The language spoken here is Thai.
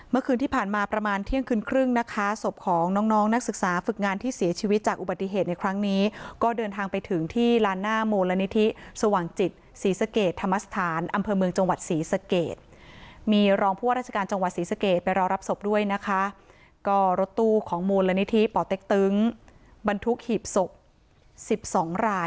เมื่อคืนที่ผ่านมาประมาณเที่ยงคืนครึ่งนะคะศพของน้องน้องนักศึกษาฝึกงานที่เสียชีวิตจากอุบัติเหตุในครั้งนี้ก็เดินทางไปถึงที่ลานหน้ามูลนิธิสว่างจิตศรีสะเกดธรรมสถานอำเภอเมืองจังหวัดศรีสะเกดมีรองผู้ว่าราชการจังหวัดศรีสะเกดไปรอรับศพด้วยนะคะก็รถตู้ของมูลนิธิป่อเต็กตึงบรรทุกหีบศพสิบสองราย